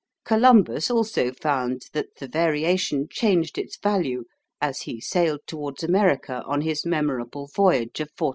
Columbus also found that the variation changed its value as he sailed towards America on his memorable voyage of 1492.